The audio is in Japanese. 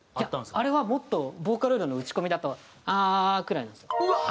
あれはもっとボーカロイドの打ち込みだと「ああー」くらいなんですよ。